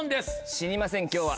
死にません今日は。